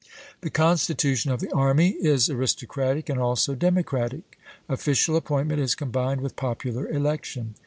The constitution of the army is aristocratic and also democratic; official appointment is combined with popular election.